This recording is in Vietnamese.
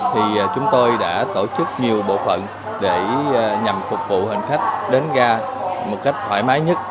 thì chúng tôi đã tổ chức nhiều bộ phận để nhằm phục vụ hành khách đến ga một cách thoải mái nhất